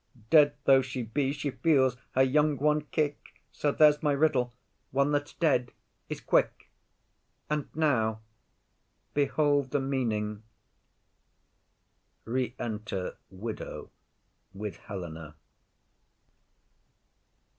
Dead though she be, she feels her young one kick; So there's my riddle: one that's dead is quick, And now behold the meaning. Enter Widow with Helena.